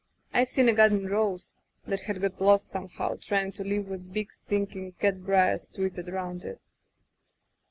I've seen a garden rose that had got lost somehow, trying to live with big stinking cat briers twisted around it.